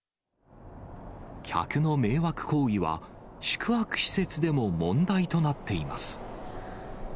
客の迷惑行為は、宿泊施設でも問題となっています。